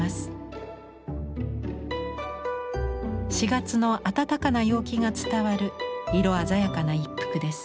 ４月の暖かな陽気が伝わる色鮮やかな一幅です。